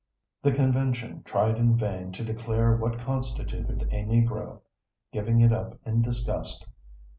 The Convention tried in vain to declare what constituted a Negro, giving it up in disgust.